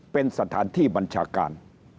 เป็นสถานที่บัญชาการ